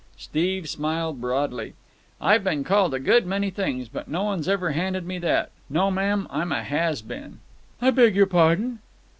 Steve smiled broadly. "I've been called a good many things, but no one's ever handed me that. No, ma'am, I'm a has been." "I beg your pardon."